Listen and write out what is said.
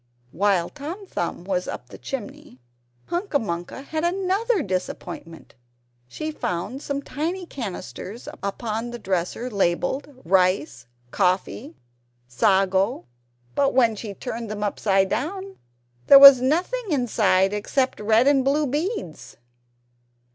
While Tom Thumb was up the chimney, Hunca Munca had another disappointment. She found some tiny canisters upon the dresser, labelled Rice Coffee Sago but when she turned them upside down, there was nothing inside except red and blue beads.